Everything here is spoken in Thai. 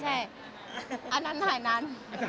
ใช่อันนั้นถ่ายนั้น